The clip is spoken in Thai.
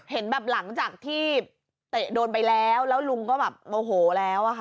เห็นแบบหลังจากที่เตะโดนไปแล้วแล้วลุงก็แบบโมโหแล้วอะค่ะ